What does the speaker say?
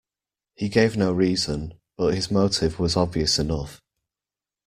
He gave no reason, but his motive was obvious enough.